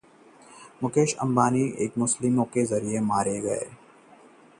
मुकेश अंबानी को पछाड़कर दिलीप सांघवी बने देश के सबसे अमीर उद्योगपति